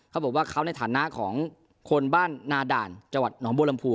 เขาบอกว่าเขาในฐานะของคนบ้านนาด่านจังหวัดหนองบัวลำพู